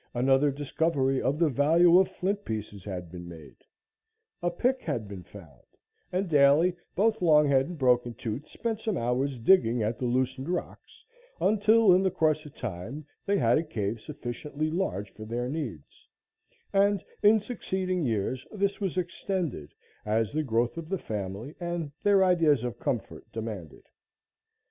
Another discovery of the value of flint pieces had been made a pick had been found, and daily both Longhead and Broken Tooth spent some hours digging at the loosened rocks until, in the course of time, they had a cave sufficiently large for their needs, and in succeeding years this was extended, as the growth of the family and their ideas of comfort demanded.